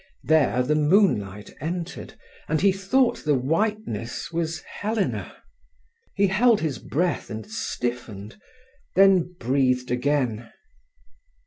There the moonlight entered, and he thought the whiteness was Helena. He held his breath and stiffened, then breathed again.